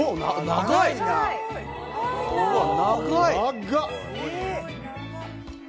長っ。